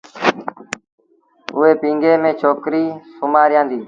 اُئي پيٚگي ميݩ ڇوڪريٚ سُومآريآندي۔